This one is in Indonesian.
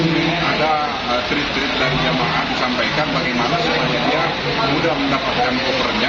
mungkin ada trik trik dari jamaah disampaikan bagaimana supaya dia mudah mendapatkan kopernya